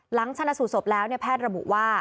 หลังชนะสู่ศพแล้วแพทย์ระบุว่า